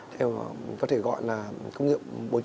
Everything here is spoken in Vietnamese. theo có thể gọi là công nghiệp bốn